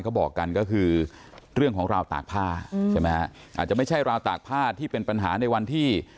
เขาบอกกันก็คือเรื่องของราวตากผ้าใช่ไหมฮะอาจจะไม่ใช่ราวตากผ้าที่เป็นปัญหาในวันที่